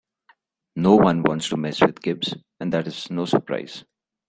No one wants to mess with Gibbs, and that is no surprise.